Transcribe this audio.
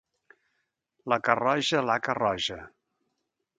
La Carroja, l'haca roja.